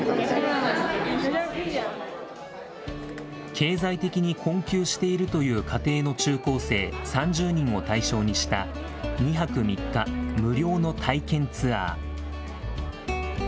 経済的に困窮しているという家庭の中高生３０人を対象にした、２泊３日、無料の体験ツアー。